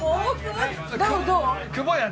久保やん